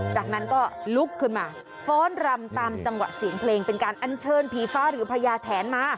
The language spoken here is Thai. จากนั้นก็ลุกขึ้นมาฟ้อนรำตามจังหวะเสียงเพลงเป็นการอัญเชิญผีฟ้าหรือพญาแถนมา